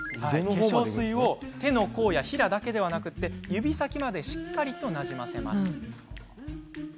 化粧水を手の甲や平だけでなくて指先までしっかりなじませます。